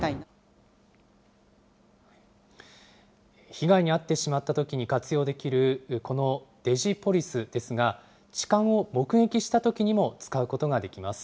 被害に遭ってしまったときに活用できるこのＤｉｇｉＰｏｌｉｃｅですが、痴漢を目撃したときにも使うことができます。